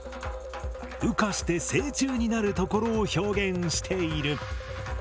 羽化して成虫になるところを表現している。